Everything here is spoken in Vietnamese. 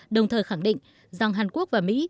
đồng thời khẳng định rằng hàn quốc và mỹ